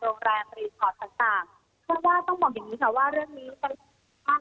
โรงแรมรีตอร์ตต่างก็ว่าต้องบอกอย่างนี้ค่ะว่าเรื่องนี้ก็